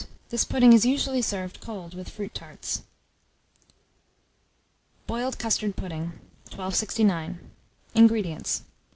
This pudding is usually served cold with fruit tarts. BOILED CUSTARD PUDDING. 1269. INGREDIENTS.